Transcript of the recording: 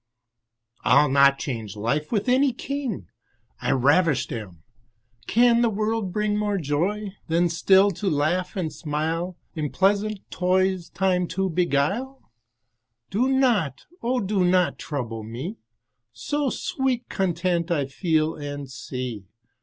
I'll not change life with any king, I ravisht am: can the world bring More joy, than still to laugh and smile, In pleasant toys time to beguile? Do not, O do not trouble me, So sweet content I feel and see.